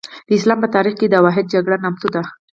د اسلام په تاریخ کې د اوحد جګړه نامتو ده.